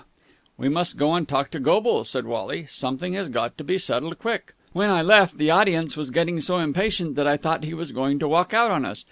"We must go and talk to Goble," said Wally. "Something has got to be settled quick. When I left, the audience was getting so impatient that I thought he was going to walk out on us.